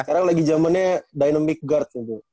sekarang lagi zamannya dynamic guard gitu